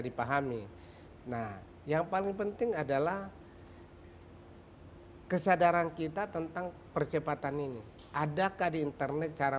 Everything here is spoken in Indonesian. dipahami nah yang paling penting adalah kesadaran kita tentang percepatan ini adakah di internet cara